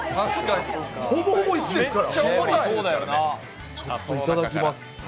ほぼほぼ石ですから。